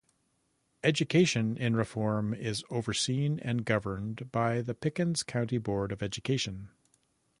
Education in Reform is overseen and governed by the Pickens County Board of Education.